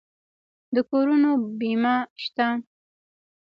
د کورونو بیمه شته؟